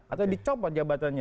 atau dicopot jabatannya